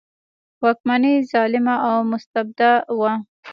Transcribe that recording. واکمني ظالمه او مستبده وه.